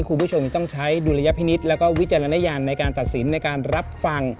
คุณผู้ชมจะต้องใช้ดุลยพินิษฐ์แล้วก็วิจารณญาณในการตัดสินในการรับฟัง